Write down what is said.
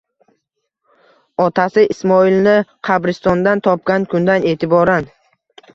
Otasi Ismoilni qabristondan topgan kundan e'tiboran